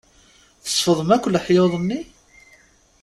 Tsefḍem akk leḥyuḍ-nni?